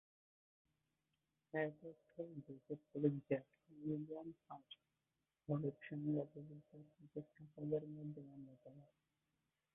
এক অর্থে Joseph Pulitzer ও উইলিয়াম হার্স্ট হলুদ সাংবাদিকতার প্রতিষ্ঠাতাদের মধ্যে অন্যতম।